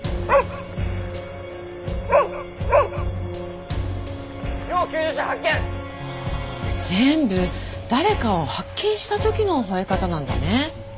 ああ全部誰かを発見した時の吠え方なんだね。